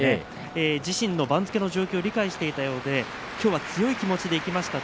自身の番付の状況を理解していたようできょうは強い気持ちでいきました。